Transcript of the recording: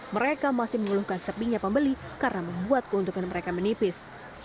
mereka masih mengeluhkan sepinya pembeli karena membuat keuntungan mereka menipis